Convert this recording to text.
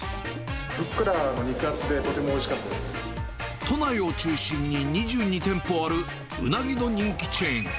ふっくら肉厚で、とてもおい都内を中心に２２店舗ある、うなぎの人気チェーン。